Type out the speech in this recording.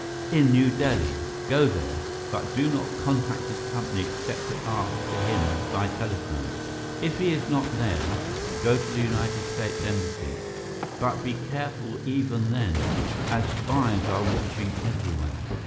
"In New Delhi. Go there, but do not contact his company except to ask for him by telephone. If he is not there, go to the United States Embassy, but be careful even then, as spies are watching everywhere.